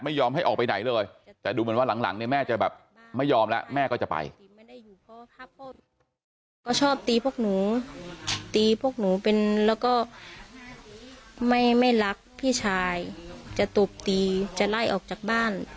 ไม่ยอมให้ออกไปไหนเลยแต่ดูเหมือนว่าหลังเนี่ยแม่จะแบบ